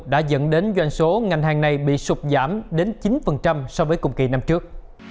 đã dẫn đến doanh số ngành hàng này bị sụp giảm đến chín so với cùng kỳ năm trước